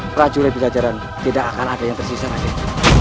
prajurit belajaran tidak akan ada yang tersisa raden